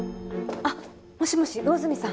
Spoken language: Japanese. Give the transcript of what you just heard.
あっもしもし魚住さん